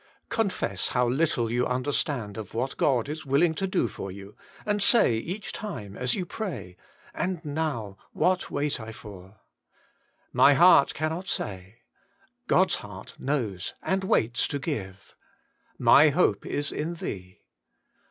Confess how little you understand what God is willing to do for you, and say each time as you pray :* And now, what wait I f or ?' My heart cannot say. God's heart knows and waits to give. * My hope is in Thee.'